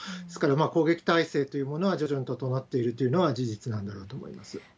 ですから攻撃態勢というものは徐々に整っているというのは事実なんだと思います。